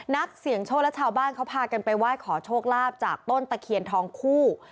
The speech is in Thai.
นักเสี่ยงโชคและชาวบ้านเขาพากันไปไหว้ขอโชคลาภจากต้นตะเคียนทองคู่